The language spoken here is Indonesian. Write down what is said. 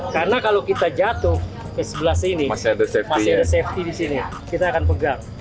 karena kalau kita jatuh ke sebelah sini masih ada safety di sini kita akan pegang